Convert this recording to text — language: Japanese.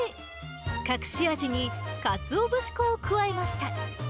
隠し味にかつお節粉を加えました。